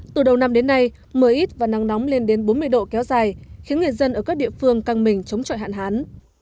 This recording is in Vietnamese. từ đầu năm đến nay mưa ít và nắng nóng lên đến bốn mươi độ kéo dài khiến người dân ở các địa phương căng mình chống trọi hạn hán